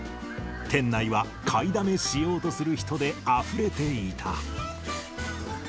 店内は買いだめしようとする人であふれていた。